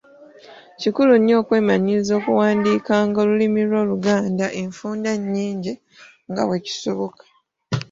Kikulu nnyo okwemanyiiza okuwandiikanga olulimi lwo Oluganda enfunda nnyingi nga bwe kisoboka.